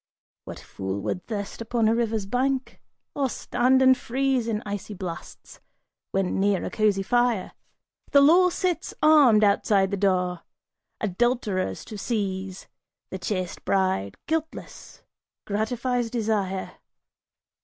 What fool would thirst upon a river's brink? Or stand and freeze In icy blasts, when near a cozy fire? The law sits armed outside the door, adulterers to seize, The chaste bride, guiltless, gratifies desire.